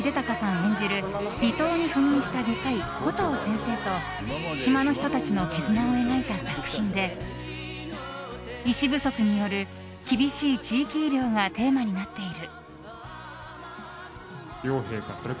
演じる離島に赴任した外科医コトー先生と島の人たちの絆を描いた作品で医師不足による厳しい地域医療がテーマになっている。